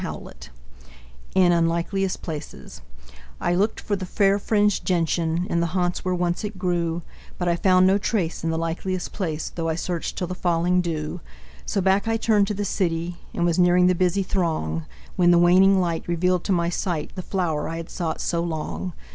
Y Z In Unlikeliest Places I looked for the fair fringed gentian In the haunts where once it grew, But I found no trace in the likeliest place, Though I searched till the falling dew. So back I turned to the city, And was nearing the busy throng, When the waning light revealed to my sight The flower I had sought so long.